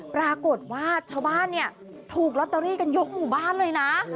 ปรากฏว่าชาวบ้านเนี่ยถูกลอตเตอรี่กันยกหมู่บ้านเลยนะ